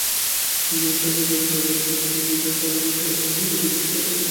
তিনি বলেন, সরকারের বেপরোয়া লুটপাটনীতির কারণে সড়ক মহাসড়কে দুর্দশা কাটছে না।